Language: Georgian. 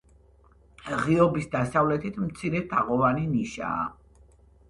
ღიობის დასავლეთით მცირე თაღოვანი ნიშაა.